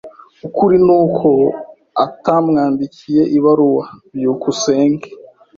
Ukuri nuko atamwandikiye ibaruwa. byukusenge